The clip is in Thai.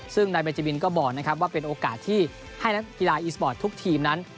ซึ่งนายเบจินก็บอกนะครับว่าเป็นโอกาสที่ให้นักกีฬาอีสปอร์ตทุกทีมนั้น